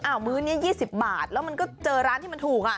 มื้อนี้๒๐บาทแล้วมันก็เจอร้านที่มันถูกอ่ะ